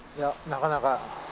なかなか。